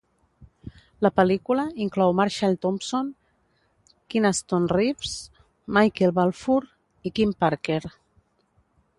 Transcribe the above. La pel·lícula inclou Marshall Thompson, Kynaston Reeves, Michael Balfour i Kim Parker.